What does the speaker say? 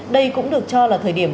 đây cũng được cho là thời điểm